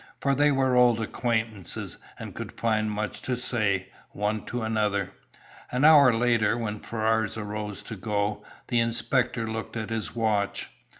For they were old acquaintances, and could find much to say, one to another. An hour later, when Ferrars arose to go, the inspector looked at his watch.